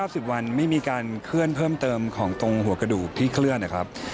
๑๐วันไม่มีการเคลื่อนเพิ่มเติมของตรงหัวกระดูกที่เคลื่อนนะครับ